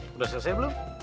sudah selesai belum